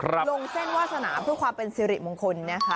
ลงเส้นวาสนาเพื่อความเป็นสิริมงคลนะคะ